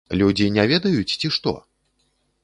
Людзі не ведаюць, ці што?